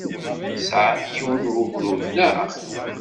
Tesɛam yiwen n wegrud, naɣ?